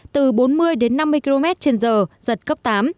từ bốn mươi đến năm mươi km trên giờ giật cấp tám